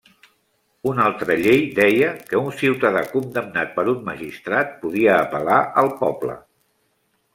Una altra llei deia que un ciutadà condemnat per un magistrat podia apel·lar al poble.